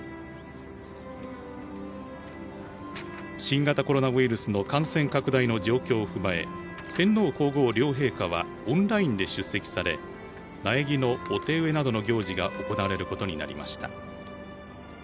新型コロナウイルスの感染拡大の状況を踏まえ天皇皇后両陛下はオンラインで出席され苗木のお手植えなどの行事が行われることになりました。